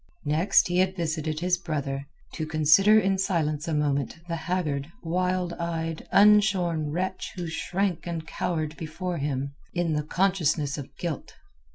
Next he had visited his brother, to consider in silence a moment the haggard, wild eyed, unshorn wretch who shrank and cowered before him in the consciousness of guilt.